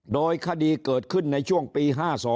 โดยคดีเกิดขึ้นในช่วงปี๕๒